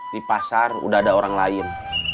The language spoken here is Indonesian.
di pasar udah ada orang lain